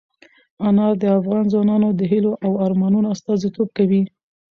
انار د افغان ځوانانو د هیلو او ارمانونو استازیتوب کوي.